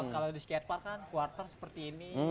kalau di skatepark kan quarter seperti ini